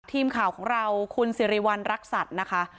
ทีมข่าวของเราคุณสิริวัณรักษัตริย์นะคะ